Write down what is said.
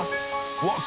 うわっ！